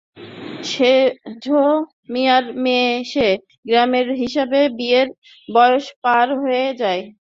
সেঝো মিয়ার মেয়ে সে, গ্রামের হিসাবে বিয়ের বয়স পার হয়ে যায়।